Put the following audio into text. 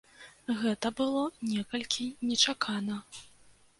Гэта было некалькі нечакана.